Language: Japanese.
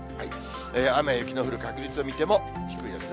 雨や雪の降る確率を見ても、低いですね。